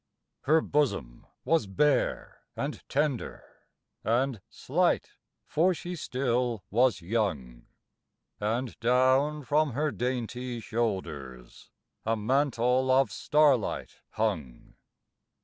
Her bosom was bare and tender, And slight, for she still was young, And down from her dainty shoulders A mantle of starlight hung.